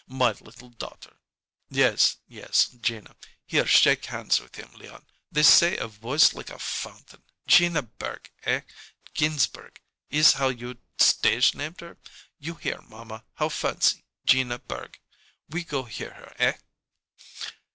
My little daughter " "Yes, yes, Gina. Here, shake hands with him. Leon, they say a voice like a fountain. Gina Berg eh, Ginsberg is how you stage named her? You hear, mamma, how fancy Gina Berg? We go hear her, eh?"